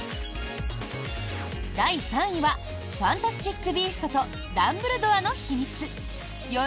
第３位は「ファンタスティック・ビーストとダンブルドアの秘密」